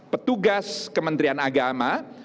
petugas kementerian agama